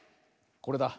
これだ。